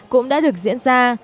cũng đã được diễn ra